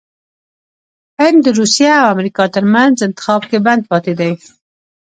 هند دروسیه او امریکا ترمنځ انتخاب کې بند پاتې دی😱